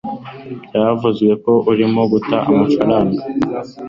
byavuzwe ko urimo guta amafaranga